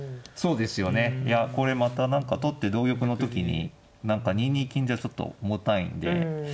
そうですよねいやこれまた何か取って同玉の時に何か２二金じゃちょっと重たいんで。